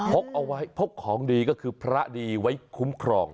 กเอาไว้พกของดีก็คือพระดีไว้คุ้มครอง